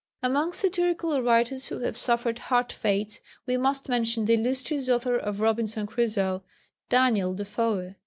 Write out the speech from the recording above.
Amongst satirical writers who have suffered hard fates we must mention the illustrious author of Robinson Crusoe, Daniel Defoe.